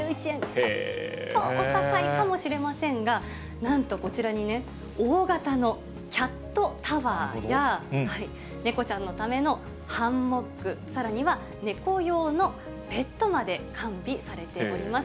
ちょっとお高いかもしれませんが、なんとこちらにね、大型のキャットタワーや、猫ちゃんのためのハンモック、さらには猫用のベッドまで完備されております。